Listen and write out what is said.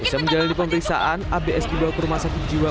usai menjalani pemeriksaan abs dibawa ke rumah sakit jiwa